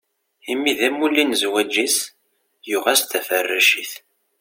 Imi d amulli n zzwaǧ-is, yuɣ-as-d taferracit.